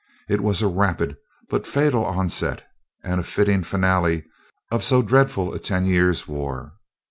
It was a rapid, but fatal onset, and a fitting finale of so dreadful a ten years' war.